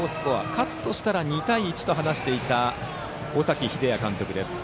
勝つとしたら２対１と話していた尾崎英也監督。